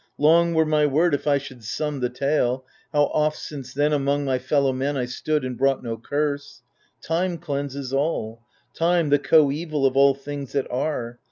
Long were my word if I should sum the tale, How oft since then among my fellow men I stood and brought no curse. Time cleanses all — Time, the coeval of all things that are.